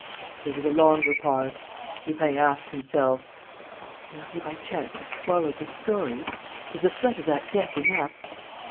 There was a longer pause. Lupin asked himself: "Can he by chance have swallowed the story? Is the threat of that death enough?